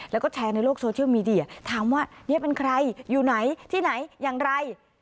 แล้วก็แชร์ในโลกโซเชียลมีเดียถามว่านี่เป็นใครอยู่ไหนที่ไหนอย่างไร